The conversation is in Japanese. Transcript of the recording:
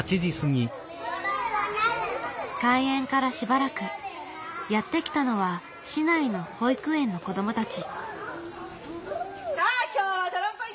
開園からしばらくやって来たのは市内の保育園の子どもたち。